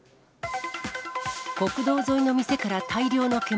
国道沿いの店から大量の煙。